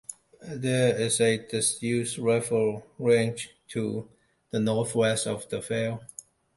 There is a disused rifle range to the north-west of the fell.